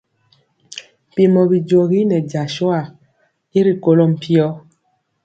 Mpiemɔ bijogi nɛ jasua y rikolɔ mpio.